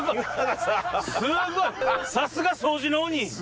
すごいさすが掃除の鬼。